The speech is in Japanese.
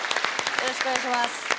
よろしくお願いします。